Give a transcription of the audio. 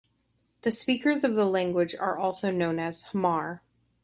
The speakers of the language are also known as Hmar.